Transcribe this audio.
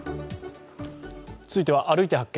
続いては「歩いて発見！